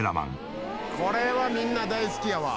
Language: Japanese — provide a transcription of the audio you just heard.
「これはみんな大好きやわ」